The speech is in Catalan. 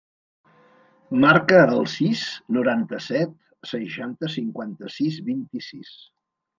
Marca el sis, noranta-set, seixanta, cinquanta-sis, vint-i-sis.